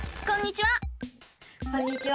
こんにちは！